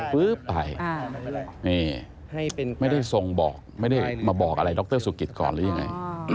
พึ๊บไปไม่ได้มาบอกอะไรดรศุกิษฐ์ก่อนหรือยังไง